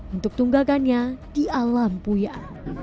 untuk tunggakannya di alam puyar